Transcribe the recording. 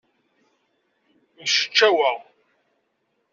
Mceččaweɣ.